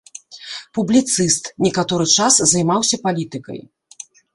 Публіцыст, некаторы час займаўся палітыкай.